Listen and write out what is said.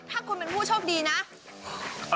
ถ้าคุณเป็นผู้โชคดีนะ